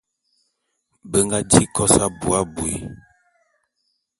Be nga di kos abui abui.